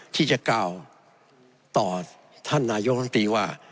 ที่จะกล่าวต่อท่านนายกรรมตรีว่า